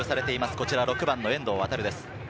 こちら６番の遠藤航です。